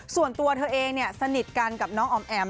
ส่วนตัวเธอเองสนิทกันกับน้องอ๋อมแอ๋ม